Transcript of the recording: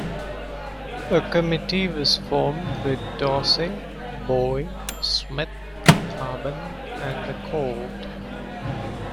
A committee was formed with Dorsey, Bowie, Smith, Harbine and Ricaud.